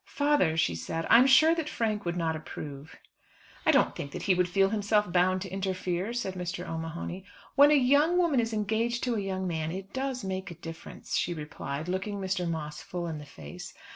"Father," she said, "I'm sure that Frank would not approve." "I don't think that he would feel himself bound to interfere," said Mr. O'Mahony. "When a young woman is engaged to a young man it does make a difference," she replied, looking Mr. Moss full in the face.